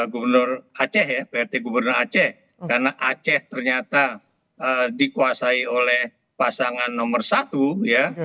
gubernur aceh ya plt gubernur aceh karena aceh ternyata dikuasai oleh pasangan nomor satu ya